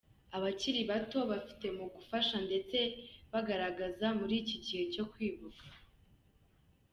abakiri bato bafite mu gufasha ndetse bagaragaza muri iki gihe cyo kwibuka.